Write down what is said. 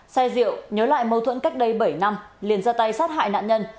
xe rượu nhớ lại mâu thuẫn cách đây bảy năm liền ra tay sát hại nạn nhân